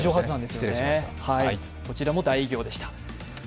こちらも大偉業でした。